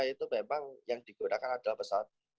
itu memang yang digunakan adalah pesawat